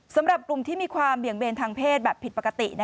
สำหรับกลุ่มที่มีความเบี่ยงเบนทางเพศแบบผิดปกติ